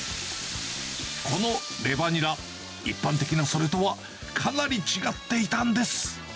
このレバニラ、一般的なそれとはかなり違っていたんです。